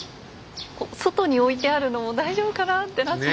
外に置いてあるのも大丈夫かなってなっちゃう。